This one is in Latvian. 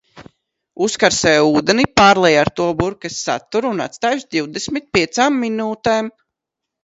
Uzkarsē ūdeni, pārlej ar to burkas saturu un atstāj uz divdesmit piecām minūtēm.